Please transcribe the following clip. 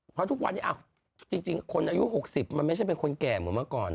เพราะทุกวันนี้จริงคนอายุ๖๐มันไม่ใช่เป็นคนแก่เหมือนเมื่อก่อน